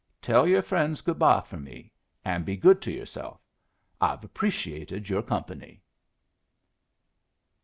Tell your friends good bye for me, and be good to yourself. I've appreciated your company."